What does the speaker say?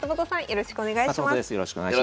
よろしくお願いします。